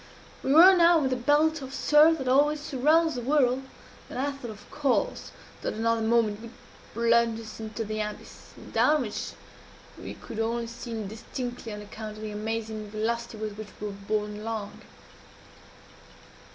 We were now in the belt of surf that always surrounds the whirl; and I thought, of course, that another moment would plunge us into the abyss down which we could only see indistinctly on account of the amazing velocity with which we were borne along.